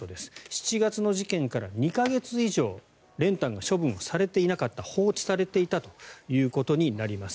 ７月の時点から２か月以上練炭が処分されていなかった放置されていたということになります。